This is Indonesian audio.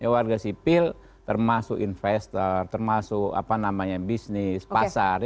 warga sipil termasuk investor termasuk bisnis pasar